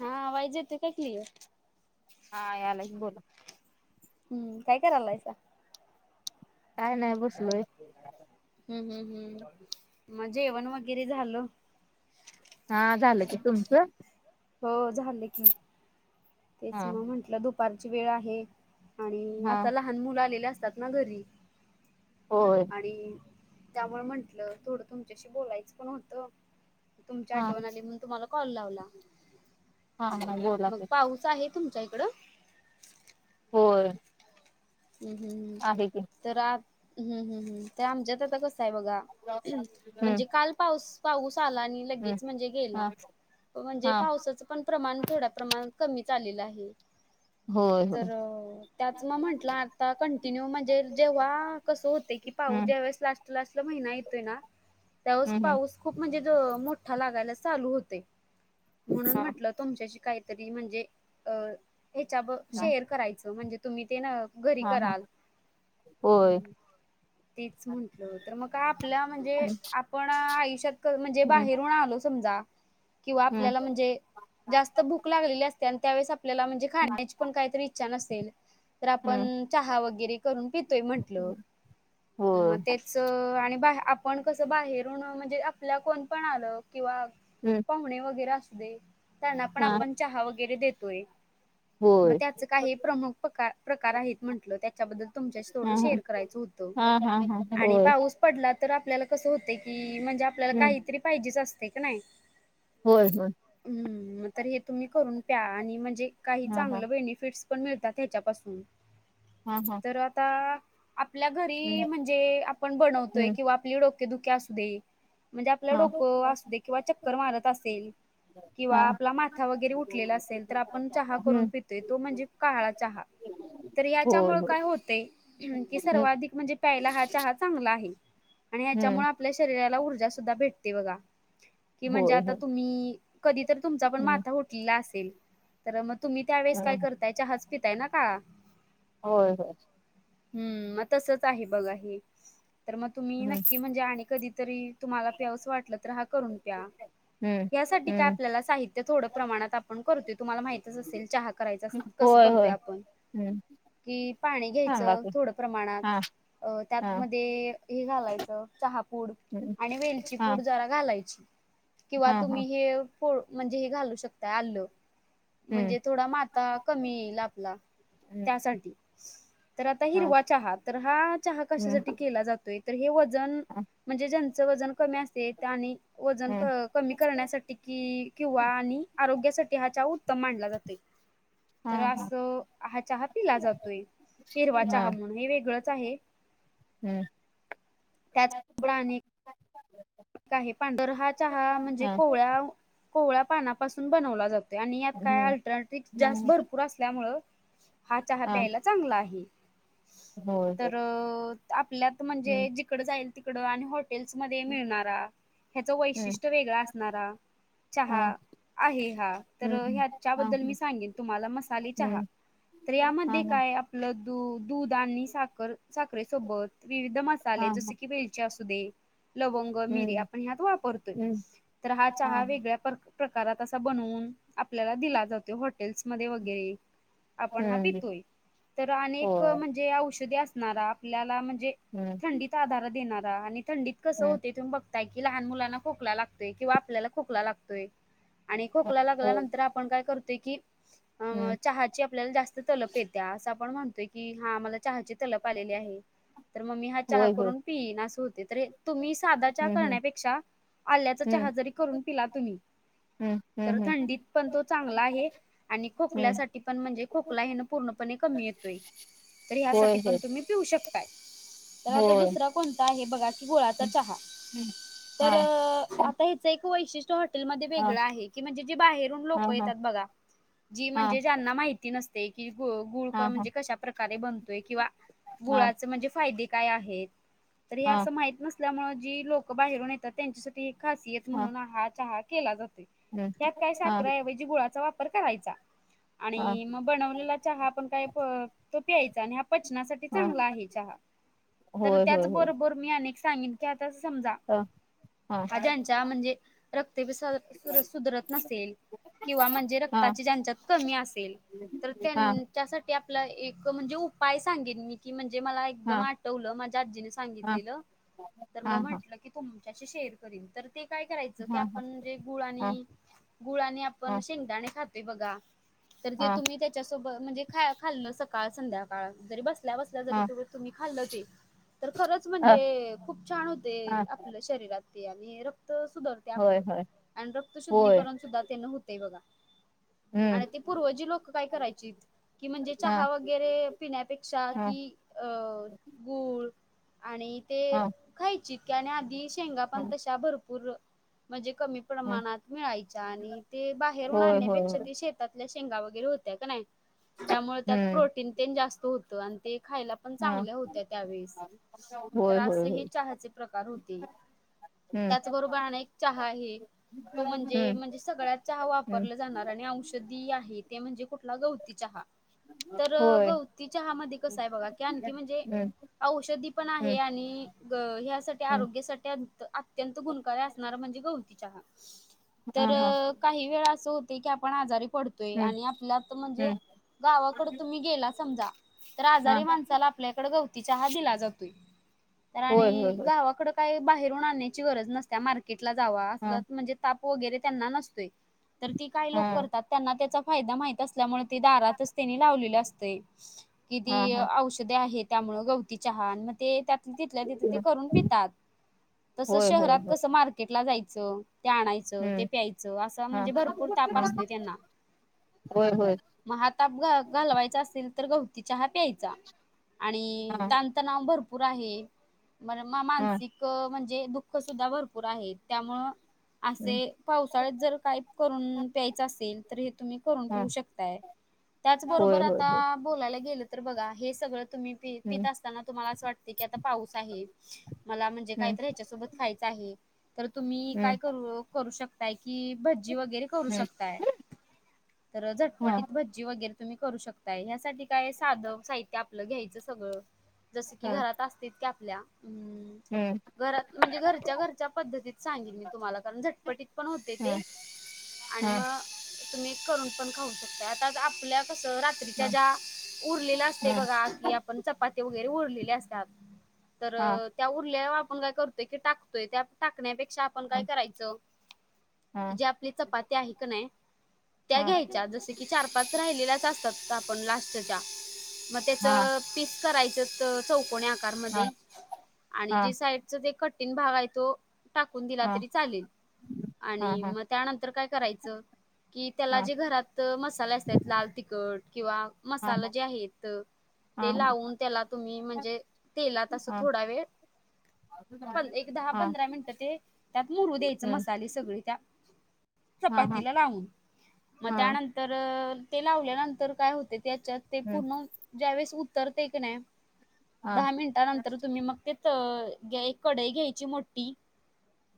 हा वयज येत काय केली आहे हा यालाही बोला हम्म काय करायलायचा काय नाही, बसलोय. हम् हम् हम्. मग जेवण वगैरे झालं. हा, झालं की, तुमचं? हो झाल की. तेच हा मग म्हंटलं दुपारची वेळ आहे, आणि, हा आता लहान मुलं आलेली असतात ना घरी. हो आणि त्यामुळे म्हंटलं थोडं तुमच्याशी बोलायचं पण होतं तुमची हा आठवण आली म्हणून तुम्हाला कॉल लावला हा हा बोला मग की पाऊस आहे तुमच्या इकडं हो हम्म हम् हम तर आ हम्म हम्म हम् तर आम जातात कस आहे बघा हम्म म्हणजे काल पाऊस पाऊस आला आणि हम्म लगेच म्हणजे गेला हा म्हणजे हा पावसाचं प्रमाण थोड्या प्रमाणात कमी चालेलं आहे होय होय तर त्याच म म्हण आता कंटिन्यू म्हणजे जेव्हा कसं होते की पाऊ हम्म ज्यावळेस लास्ट लास्टला महिना येतोय ना त्याव हम्म हम्म पाऊस खूप म्हणजे मोठा लागायला चालू होते म्हणून म्हटल तुमच्याशी काहीतरी म्हणजे अ ह्याच्या हा शेअर करायचं म्हणजे तुम्ही ते ना घरी हा हा कराल. हो तेच म्हटल तर मग आपल्या म्हणजे पण आयुष्यात म्हणजे हम्म बाहेरून आलो समजा किंवा हम्म आपल्याला म्हणजे जास्त भूक लागलेली असते आणि त्यावेळेस आपल्याला म्हणजे खाण्याची पण काहीतरी इच्छा नसेल तर आपण हम्म चहा वगैरे करून पितोय म्हंटल होय मग ते आणि बा आपण कसं बाहेरून म्हणजे आपल्या कोण पण आलं किंवा हम्म. णे वगैरे अस त्यांना पण हा आपण चहा वगैरे देतोय. मग होय त्याच काही प्रमुख प्रकार प्रकार आहेत म्हंटलं त्याच्याबद्दल तुमच्याशी हा थोडं शेअर करायचं होतं हा हा हा हा आणि होय पाऊस पडला तर आपल्याला कसं होते की म्हणजे आपल्याला हम्म काहीतरी पाहिजेच असते क नाही. हो हो. तर हे तुम्ही करून प्या आणि म्हणजे काही हा हा चांगलं बेनिफिट पण मिळतात त्याच्या पासून हा हा. आपल्या घरी हम्म म्हणजे आप बनतोय हम्म किंवा आपले डोके दुके असू दे म्हणजे आपलं हा डोकं असू दे किंवा चक्कर मारत असेल. हा किंवा आपला माथा वगैरे उठलेला असेल तर आपण चहा करून हम्म पितोय तो म्हणजे काळा चहा तर होय याच्यामुळे होय काय होते की हम्म सर्वाधिक म्हणजे प्यायला हा चहा चांगला आहे. आणि हम्म हच्यामुळे आपल्या शरीराला ऊर्जा सुद्धा भेटते बघा. कि म्हणजे होय आता होय तुम्ही कधीतरी तुमचा पण हम्म माथा होटलेला असेल. तर मग तुम्ही त्यावेेळेस काय हम्म करताय च हच पिताय ना. काळा होय हो. हम्म मग तसच आहे बघा हे तर मग तुम्ही हम्म नक्की म्हणजे आणि कधीतरी तुम्हाला प्यासं वाटलं तर हा करून प्या हम्म यासाठी काय हम्म आपल्याला साहित. ते थोडं प्रमाणात आपण करतोय तुम्हाला माहितच असेल चहा करायच कसं होय होय करतोय आपण हम्म. कि पाणी सांगा घ्यायचं की थोड प्रमाणात हा अ त्यात हा म हे घालायचं चहापूड हम्म आणि वेलची हा पूड जरा घा किंवा हा हा तुम्ही हे म्हणजे हे घालू शकता आ. म्हणजे हम्म थोडा माता कमी येईल आपला हम्म त्यासाठी तर आता हा हिरवा चहा तर हा चहा हम्म कशासाठी केला जातोय तर हे व हा म्हणजे ज्यां व क अस त्यां वन हम्म कमी करण्यासाठी कि किंवा आणि आरोग्यासाठी हा चा उत्तम मांडला जातो हा तर हा असं. हा चहा पिला जातोय हिरवा हा चहा म्हणून हे वेगळंच आहे. हम्म. आहेर हा चहा म्हणजे हा कोवळ्या कोवळ्या पानापासून बनवला जातो. आणित काय हम्म अल्टरनेट जास्त भरपूर असल्यामुळे हा चहा प्यायला. चग आहे होय होय तर आपल्यात म्हणजे हम्म तिकड जाईल तिकड आणि हॉटेल्स मध्ये मिळणारा ह्याच हम्म वैशिष्ट्य वेगळा असणारा. चहा हा आहे हा तर हम्म हा हा ह्याच्याबद्दल मी सांगेन तुम्हाला मसाले चहा हम्म तर हा हा यामध्ये काय आपलं दूध आणि साखर. साखरे सोबत विविध हा मसाले हा जसे की वेलचे असू दे लवंग री हम्म आपण ह्यात वापरतोय हम्म तर हा चहा वेगळ्या प्रकारात असा बनवून. आपल्याला दिला जातो हॉटेल्स मध्ये वगैरे आपण हा हम्म पितोय तर अनेक होय म्हणजे औषधी असणारा. आपल्याला म्हणजे हम्म थंडीत आधार देणारा आणि थंडीत कस हो. हम्म थून बघताय की लहान मुलांना खोकला लागतोय किंवा आपल्याला खोकला लागतोय. आणि खोकला लागल्यानंतर आपण काय करतोय की अ हम्म चहाची आपल्याला जास्त तलप येत्या असं आपण म्हणतोय की हा आमला चहाचे तलप आलेली आहे. तर मम्मी हा चहा होय होय करून पिईन अस होते तर तुम्ही साधा चहा हम्म हम्म करण्यापेक्षा आल्याचा हम्म चहाजरी करून पिला तुम्ही तर हम्म हम्म हम्म थंडीत पण तो चांगला आहे. आणि हम्म खोकल्यासाठी पण म्हणजे खोकला हे ना पूर्णपणे कमी येतोय तर ह्यासाठी होय पण होय तुम्ही? पिऊ शकताय तर आता होय दुसरा कोणता आहे बघा की गोळा च तर हा आता ह्याच एक वैशिष्ट्य हॉटेलमध्येध्ये हा वेगळ आहे की म्हणजे जे बाहेरून हा लोक हा येतात बघा. जी हा म्हणजे ज्यांना माहिती नसते की ग गुळ हा हा म्हणजे कशा प्रकारे बनतोय किंवा हा गुळाचे म्हणजे फायदे काय आहेत. तरी हे हा असं माहत नसल्यामुळे जी लोकं बाहेरून येतात त्यांच्यासाठी एक खासियत हा म्हणून आहात, आहात केला जातो हम्म त्यात काय हा सााखर आहेजी गुळाचा वापर करायचा. हा आणि मग बनवलेला चहा पण काय तो प्यायचा आणि पचनासाठी हा चांगला आहे चहा तर होय होय होय त्याचबरोबर. मी अनेक सांगिले आता समजा. हा. हा भाज्यांचा म्हणजे रक्त सुधरत नसेल. किंवा म्हणजे हा हा रक्ताची ज्यांच्यात कमी असेल तर हा त्यांच्यासाठी आपला एक म्हणजे उपाय सांगेन मी की म्हणजे मला एकदम हा आठवलं माझ्या आजीने हा हा सांगितलेलं तर मग हा हा म्हटलं की तुमच्याशी शेअर करील तर. ते काय करायचं की हा आपण म्हणजे गुळ आणि, गुळ आणि हा आपण शेंगदाणे खातोय बघा तर ते तुम्ही त्याच्यासोबत म्हणजे ख खाल सकाळ संध्याकाळ जरी बसल्या, बसल्या जरी हा हा तु तुम्ही खाल्ल ते तर खरंच म्हणजे खूप छान होते हा आपल्या शरीरात. आणि रक्त सुधारते होय आपलं होय आणि रक्त होय शुद्धीकरण सुद्धा त्यांन होते. ते बघा हम्म आणि ते पूर्वजी लोक काय करायचीत कि म्हणजे हा चहा वगैरे पिण्यापेक्षा हा कि अ गुळ आणि ते हा खायचेत आणि आधी पण तश्या भरपूर म्हणजे कमी हा प्रमाणात मिळायच्या आणि ते बाहेरून होय होय आणण्यापेक्षा होय ते शेतातल्या शेंगा वगैरे होत्या का नाही. त्यामुळे त्यात हम्म प्रोटीन ते जास्त होत आणि ते खायला पण हा चांगल्या होत्या त्यावेेळेस. तर होय होय असे होय हे चहाचे प्रकार होते हम्म त्याचबरोबर अनेक चहा आहे. तो म्हणजे, हम्म म्हणजे सगळ्यात चहा हम्म वापरला जाणार आणि औषध ती आहे ते म्हणजे कुठला गवती चहा तर होय गवती चहा मधी कसा आहे की बघा की आणखी म्हणजे हम्म औषधी पण आहे. हम्म आणि ह्यासाठी हम्म आरोग्यासाठी अत्यंत गुणकार असणार म्हणजे गवती चहा तर हा हा काही वेळ असं होते की आपण आजारी पडतो. हम्म आणि आपल्यात म्हणजे हम्म गावाकड तुम्ही गेला समजा तर हा आजारी माणसाला आपल्याकडे गवती चहा दिला जातोय. तर होय आणि होय होय गावाकड काही बाहेरून आणण्याची गरज नसते मार्केटला जाव हा म्हणजे ताप वगैरे त्यांना नसतोय तर ते काही लोक हा करतात त्यांना त्याचा फायदा माहित असल्यामुळे ते दारातच त्यांनी लावलेले असते हा किती हा औषधी आहेत. त्यामुळं गवती चहा अन त्यामुळ ते त्यात तिथल्या तिथ हम्म, करून पितातं तस होय होय शहरात होय कस मार मार्केटला जायचं ते आणायच ते हम्म प्यायचं असं हा म्हणजे भरपूर ताप हा असतोय त्यांना. होय, होय. मग हा ताप घालवायचा असेल तर गवती चहा प्यायचा आणि हा ताण तणाव भरपूर आहे म हा मानसिक म्हणजे दुःख सुद्धा भरपूर आहे त्यामुळं असे हम्म, पावसाळ्यात जर काही करून प्यायचं असेल तर हे तुम्ही करून हा पिऊ शकताय. होय त्याचबरोबर होय होय आता बोलायला गेलं तर बघा हे सगळं तुम्ही पित हम्म असताना तुम्हाला वाटत आता कि पाऊस आहे मला म्हणजे हम्म याच्यासोबत काहीतरी खायचं आहे तर तुम्ही काय हम्म करू करू शकताय कि भजी वगैरे करू हम्म शकताय. तर हा झटपटीत भज्जी वगैरे तुम्ही करू शकताय ह्यासाठी काय साध साहित्य आपलं घ्यायचं सगळं जस की हा घरात असतंच की आपल्या हम्म. घरात म्हणजे घरच्या, घरच्या पद्धतीत सांगेन मी तुम्हाला कारण झटकन पटीत पण होते ते हा आणि हा मग तुम्ही करून पण खाऊ शकता आणि आता आपल्या कस् त्रीच्या हा ज्या उरलेल्या असते हा बघा की आपण चपाती वगैरे उरलेले असतात तर त्या उरल्यावर आपण काय करतोय की टाकतोय त्या टाकण्यापेक्षा आपण काय करायचं? हा की ज आपली चपाती आहे का नाही त्या हा हा घ्यायच्या जस की चार पाच चार-पाच राहिलेल्याच असतात आपण लास्ट च्या मग त्याच पीस करायचंत चौकणी हा हा हा आकारमध्ये आणि जे साईडचा ते कठीण भाग आहे तो टाकून दिला तरी चालेल हा हा आणि मग त्यानंतर काय करायचं? कि त्याला जे घरात मसाले असतात लाल तिखट किंवा हा हा हा हा मसाला जे आहेत हा हा हा हा ते लावून त्याला तुम्ही म्हणजे म्हणजे तेलात असं थोडावेळ पण एक दहा हा पंधरा मिनिटं ते त्यात मुरू द्यायच मसाले सगळे त्या हा हा चपातीला लावून मग हा त्यानंतर तर ते लावल्यानंतर काय होते याच्यात ते हम्म पूर्ण ज्यावेेळेस उतरते कनाही हा दहा मिनटा नंतर तुम्ही मग ते एक कढई घ्यायची मोठी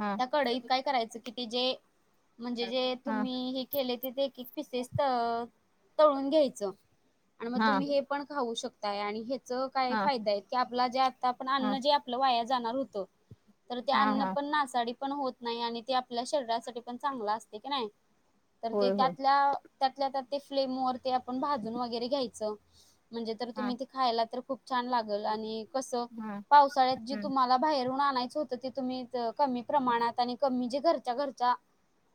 हा त्या कढईत काय करायचं की ती जे म्हणजे हा जे हा तुम्ही हे केले ते ते एक एक पिसेस तळून घ्यायचं आणि मग तुम्ही हे पण खाऊ शकताय आणि ह्याच काय हा फायदा आहे की आपला जे आता आपण अन्न हा जे जे आपला अन्न वाया जाणार हुतं ते हा अन्न हा पण नासाडी पण होत नाही आणि ते आपल्या शरीरासाठी पण चांगला असते की नाही तर ते होय होय त्यातल्या त्यातल्या त्यात ते फ्लेम वर ते आपण भाजून वगैरे घ्यायचं म्हणजे तर हा तुम्ही ते खायला तर खूप छान लागंल आणि कसं हा पावसाळ्यात जे हम्म तुम्हाला बाहेरहून आणायचं होतं ते तुम्ही कमी प्रमाणात आणि कमी जे घरच्या घरच्या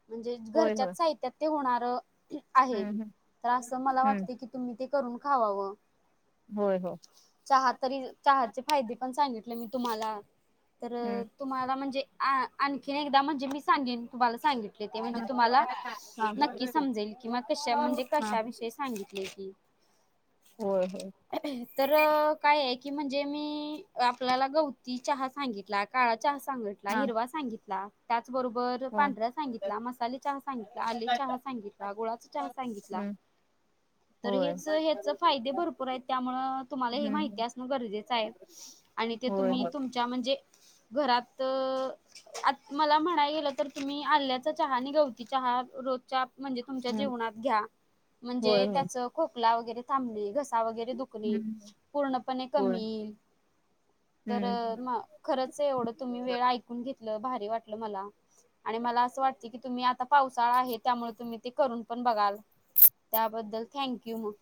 म्हणजे होय होय घरच्याच साहित्यात ते होणारं आहे हम्म तर असं मला हम्म हम्म वाटते की तुम्ही ते करून खावावं होय हो चहा तरी चहाचे फायदे पण सांगितले मी तुम्हाला तर हम्म तुम्हाला म्हणजे आणखीन एकदा म्हणजे मी सांगेन तुम्हाला सांगि लिती हा म्हणजे तुम्हाला हा हा होय नक्की होय समजेल की म्हणजे कशा विशेष सांगितली की. होय होय तर काय की म्हणजे मी आपल्याला गवती चहा सांगितला काळा चहा सांग तला हा हिरवा सांगितला त्याचबरोबर, होय पांढरा, सांगितला मसाले चहा, सांगितला आले चहा, सांगितला गुळाचा चहा सांगितला. हम्म तर होय हेच हचं फायदे भरपूर आहेत त्यामुळं तुम्हाला हे माहि ती हम्म असणं गरजेचं आहे आणि ते होय तुम्ही होय तुमच्या म्हणजे घरात आ मला म्हणाय गेलं तर तुम्ही आल्याचा चहा आणि गवती चहा रोज च्या म्हणजे तुमच्या हम्म जिवनात घ्या होय म्हणजे होय त्याचं खोकला वगैरे थांबली घ सा वैगेरे दुखणे हम्म पूर्ण पणे कमी होय येईल तर हम्म खरंच एवढं तुम्ही वेळ ऐकून घेतलं भारी वाटलं मला आणि मला असं वाटते की तुम्ही आता. पावसाळा आहे त्यामुळे तुम्ही ते करून पण बघाल त्याबद्दल थँंक यू मग.